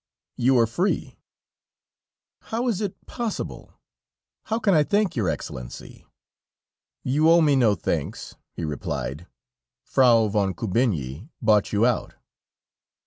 "You are free." "How is it possible? How can I thank your Excellency!" "You owe me no thanks," he replied; "Frau von Kubinyi bought you out."